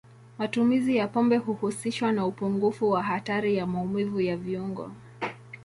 Matumizi ya pombe huhusishwa na upungufu wa hatari ya maumivu ya viungo.